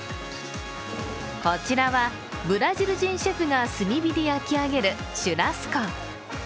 こちらはブラジル人シェフが炭火で焼き上げるシュラスコ。